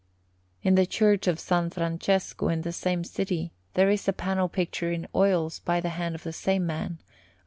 In the Church of S. Francesco, in the same city, there is a panel picture in oils by the hand of the same man, of S.